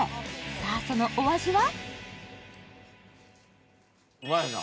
さあ、そのお味は？